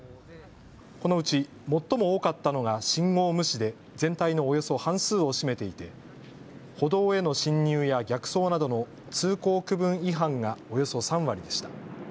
このうち最も多かったのが信号無視で全体のおよそ半数を占めていて歩道への進入や逆走などの通行区分違反がおよそ３割でした。